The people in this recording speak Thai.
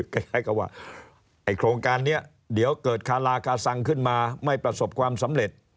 คล้ายกับว่าไอ้โครงการนี้เดี๋ยวเกิดคาราคาซังขึ้นมาไม่ประสบความสำเร็จ